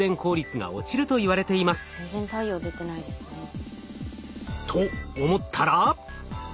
全然太陽出てないですね。と思ったら。